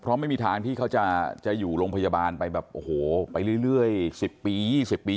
เพราะไม่มีทางที่เขาจะอยู่โรงพยาบาลไปแบบโอ้โหไปเรื่อย๑๐ปี๒๐ปี